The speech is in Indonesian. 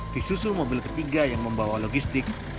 disusul mobil ketiga yang membawa logistik